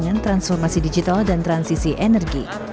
dengan transformasi digital dan transisi energi